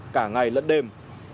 cả ngày lẫn đêm